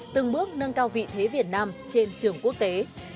từng bước nâng cao vị thế việt nam trên trường quốc tế